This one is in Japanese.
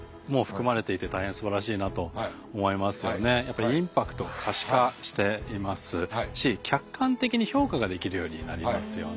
あのやはりやっぱりインパクトを可視化していますし客観的に評価ができるようになりますよね。